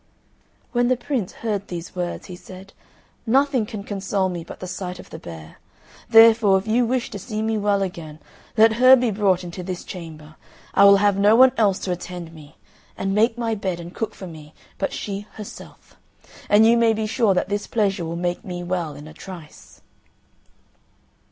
When the Prince heard these words, he said, "Nothing can console me but the sight of the bear. Therefore, if you wish to see me well again, let her be brought into this chamber; I will have no one else to attend me, and make my bed, and cook for me, but she herself; and you may be sure that this pleasure will make me well in a trice."